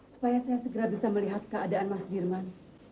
supaya saya segera bisa melihat keadaan mas dirman